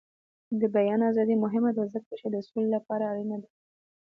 د بیان ازادي مهمه ده ځکه چې د سولې لپاره اړینه ده.